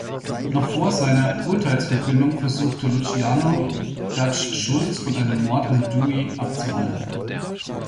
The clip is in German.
Noch vor seiner Urteilsverkündung versuchte Luciano, Dutch Schultz von einem Mord an Dewey abzuhalten.